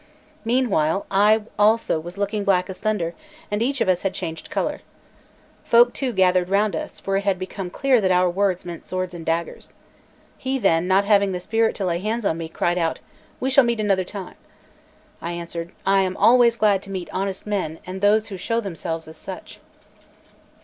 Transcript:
Meanwhile I also was looking black as thunder, and each of us had changed colour. Folk too gathered round us, for it had become clear that our words meant swords and daggers. He then, not having the spirit to lay hands on me, cried out: "We shall meet another time." I answered: "I am always glad to meet honest men and those who show themselves as such."